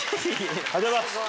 ありがとうございます。